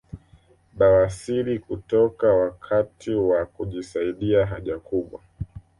Bawasiri kutoka wakati wa kujisaidia haja kubwa